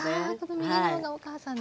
右の方がお母さんで。